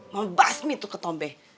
mama basmi tuh ketombe